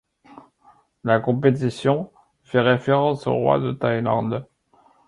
La compétition fait référence au roi de Thaïlande.